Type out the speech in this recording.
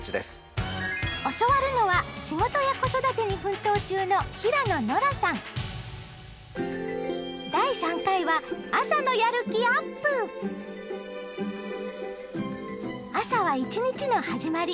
教わるのは仕事や子育てに奮闘中の朝は一日の始まり。